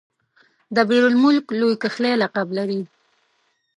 دبیر المک لوی کښلی لقب لري.